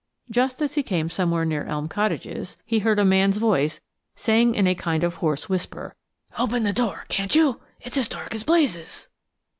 Just as he came somewhere near Elm Cottages he heard a man's voice saying in a kind of hoarse whisper: "Open the door, can't you? It's as dark as blazes!"